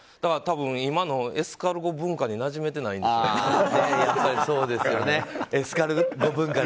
今のエスカルゴ文化になじめてないんじゃないですかね。